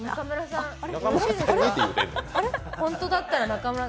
本当だったら中村さん。